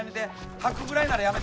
吐くぐらいならやめて。